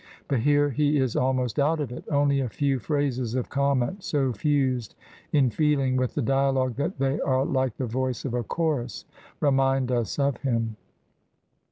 But here he is almost out of it ; only a few phrases of comment, so fused in feeling with the dialogue that •they are like the voice of a chorus, remind us of him.